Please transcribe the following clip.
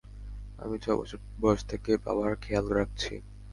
আমি ছয় বছর বয়স থেকে বাবার খেয়াল রাখছি।